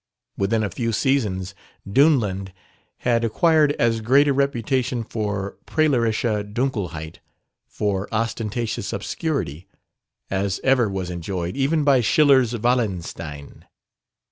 Within a few seasons Duneland had acquired as great a reputation for "prahlerische Dunkelheit" for ostentatious obscurity as ever was enjoyed even by Schiller's Wallenstein.